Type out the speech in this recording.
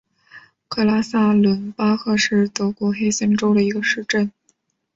格拉塞伦巴赫是德国黑森州的一个市镇。